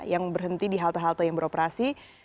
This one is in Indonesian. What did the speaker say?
yang berhenti di halte halte yang beroperasi